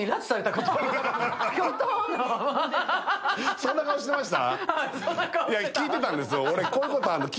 そんな顔してました？